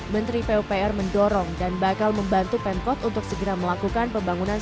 menteri pupr mendorong dan bakal membantu pemkot untuk segera melakukan pembangunan